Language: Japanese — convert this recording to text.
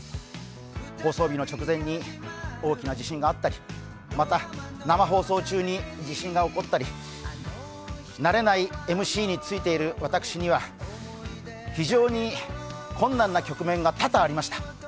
放送日の直前に大きな地震があったりまた、生放送中に地震が起こったり慣れないＭＣに就いている私には非常に困難な局面が多々ありました。